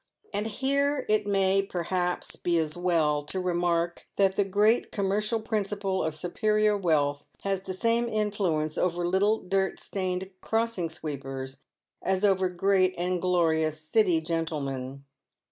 And here it may, perhaps, be as well to remark that the great com mercial principle of superior wealth has the same influence over little dirt stained crossing sweepers as over great and glorious City gentle men.